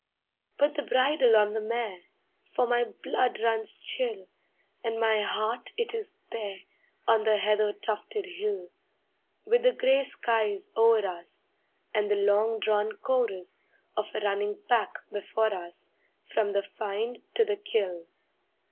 Put the bridle on the mare, For my blood runs chill; And my heart, it is there, On the heather tufted hill, With the gray skies o'er us, And the long drawn chorus Of a running pack before us From the find to the kill.